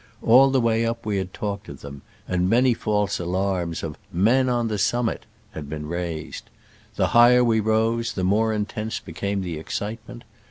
All the way up we had talked of them, and many false alarms of " men on the summit" had been raised. The higher we rose the more intense became the ex citement.